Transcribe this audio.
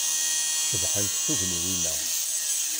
Cebḥent tugniwin-a.